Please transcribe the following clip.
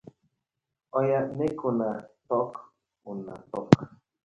Oya mek una talk una talk.